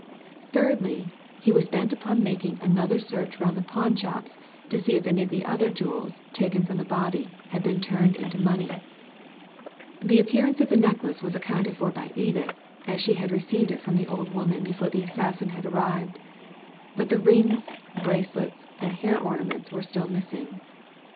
Thirdly, he was bent upon making another search Digitized by Google 200 THE LADY FROM NOWHERE round the pawnshops to see if any of the other jewels taken from the body had been turned into money. The appearance of the necklace was accounted for by Edith, as she had received it from the old woman before the assassin had arrived; but the rings, bracelets, and hair ornaments were still missing.